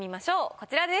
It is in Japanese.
こちらです。